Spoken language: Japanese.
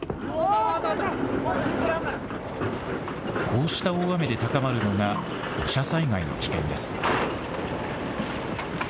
こうした大雨で高まるのが土砂災害の危険です。